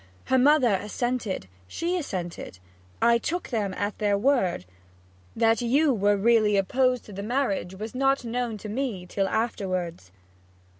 Her mother assented; she assented. I took them at their word. That you was really opposed to the marriage was not known to me till afterwards.'